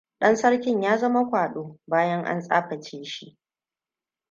Ɗan sarkin ya zama kwaɗo bayan an tsaface shi.